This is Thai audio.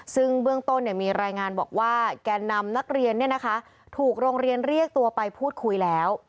ซึ่งเบื้องต้นมีรายงานบอกว่าแก่นำนักเรียนถูกโรงเรียนเรียกตัวไปพูดคุยแล้ว